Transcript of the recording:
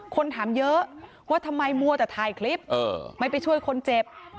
คนถามเยอะว่าทำไมมัวแต่ถ่ายคลิปไม่ไปช่วยคนเจ็บ